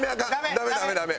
ダメダメダメ！